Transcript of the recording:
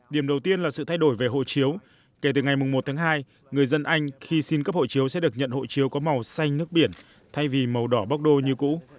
điểm đầu tiên là sự thay đổi về hộ chiếu kể từ ngày một tháng hai người dân anh khi xin cấp hộ chiếu sẽ được nhận hộ chiếu có màu xanh nước biển thay vì màu đỏ bóc đô như cũ